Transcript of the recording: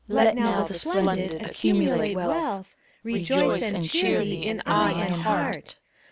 Let now the splendid, accumulate wealth Rejoice and cheer thee, in eye and heart!